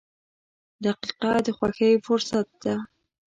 • دقیقه د خوښۍ فرصت ده.